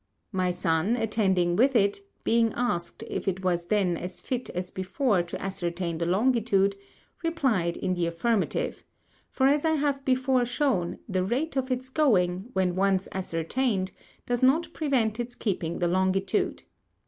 My Son, attending with it, being asked if it was then as fit as before to ascertain the Longitude, replyŌĆÖd in the Affirmative; for as I have before shewn, the Rate of its going, when once ascertained, does not prevent its keeping the Longitude.